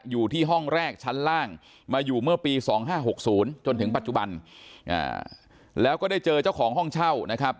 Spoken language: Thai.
อยู่ที่ห้องแรกชั้นล่างมาอยู่เมื่อปี๒๕๖๐จนถึงปัจจุบันแล้วก็ได้เจอเจ้าของห้องเช่านะครับ